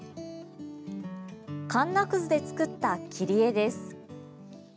かんなくずで作った木り絵です。